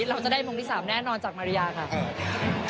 เราจะได้มงที่๓แน่นอนจากมาริยาค่ะ